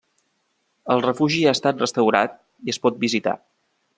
El refugi ha estat restaurat i es pot visitar.